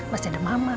masih ada mama